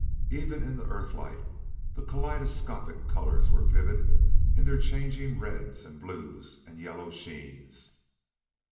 Even in the earthlight the kaleidoscopic colors were vivid in their changing reds and blues and yellow sheens.